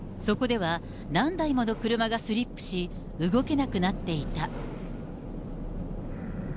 そこでは何台もの車がスリップし、動けなくなっていた。